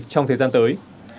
trong thời gian tới